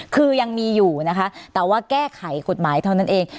คือยังมีอยู่นะคะแต่ว่าแก้ไขกฎหมายเท่านั้นเอง